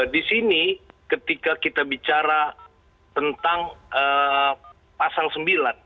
di sini ketika kita bicara tentang pasal sembilan